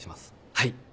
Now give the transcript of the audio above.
はい。